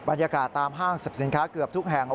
บรรยากาศตามห้างสรรพสินค้าเกือบทุกแห่ง